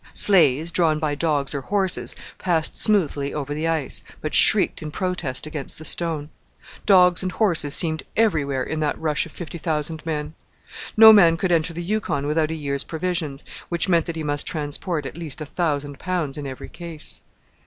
Sleighs, drawn by dogs or horses, passed smoothly over the ice, but shrieked in protest against the stone. Dogs and horses seemed everywhere in that rush of fifty thousand men. No man could enter the Yukon without a year's provisions, which meant that he must transport at least a thousand pounds in every case.